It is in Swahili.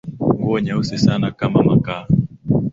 Nguo nyeusi sana kama makaa